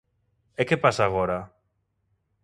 E que pasa agora?